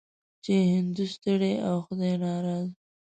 چې هندو ستړی او خدای ناراضه.